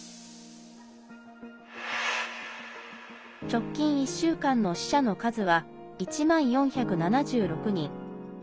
直近１週間の死者の数は１万４７６人。